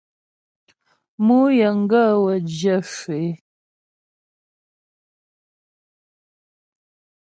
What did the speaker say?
Mǔ yəŋgaə́ wə́ zhyə̂ shwə é.